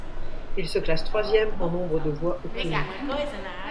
Il se classe troisième en nombre de voix obtenues.